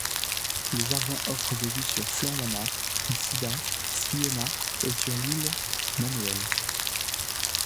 Le jardin offre des vues sur Floriana, Msida, Sliema, et sur l'île Manoel.